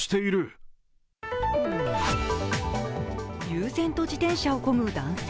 悠然と自転車をこぐ男性。